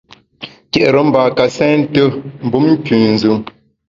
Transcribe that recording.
Ke’re mbâ ka sente mbum nkünzùm.